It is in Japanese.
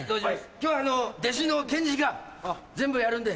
今日弟子のケンジが全部やるんで。